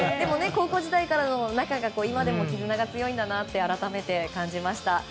高校時代からの仲で今でも絆が強いんだなと改めて感じました。